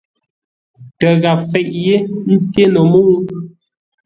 Tə́ gháp fêʼ yé nté no mə́u.